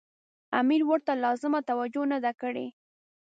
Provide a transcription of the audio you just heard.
امیر ورته لازمه توجه نه ده کړې.